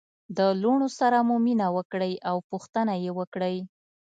د لوڼو سره مو مینه وکړئ او پوښتنه يې وکړئ